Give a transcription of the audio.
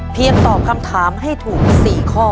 เพียงตอบคำถามมากกว่า